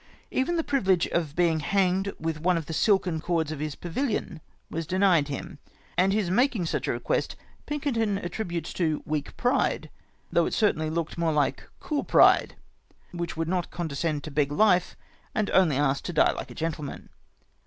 Even tlie privilege of being hanged witli one of the silken cords of liis pavilion was denied him ; and his making sucli a request Pinkerton attributes to " weak pride," though it certainly looked more Kke " cool pride," which w^ould not condescend to beg life, and only asked to die hke a gentleman.